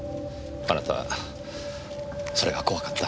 あなたはそれが怖かった。